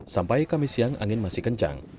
sampai kami siang angin masih kencang